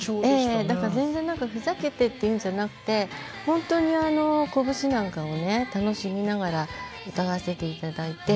ええだから全然ふざけてっていうんじゃなくて本当にあのこぶしなんかをね楽しみながら歌わせて頂いて。